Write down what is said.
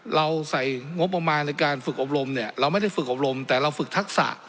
เราใส่งบประมาณในการฝึกอบรมเนี่ยเราไม่ได้ฝึกอบรมแต่เราฝึกทักษะ